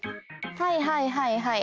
はいはいはいはい。